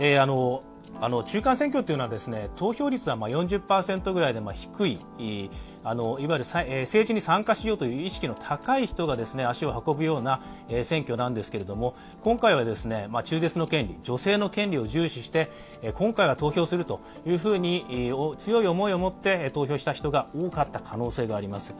中間選挙というのは投票率は４０％ぐらいで低い政治に参加しようという意識の高い人が足を運ぶような選挙なんですけれども今回は中絶の権利、女性の権利を重視して今回は投票するという強い思いを持って投票した人が多かった可能性があります。